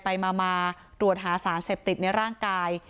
ไปมาตรวจหาสารเสพติดในร่างกาย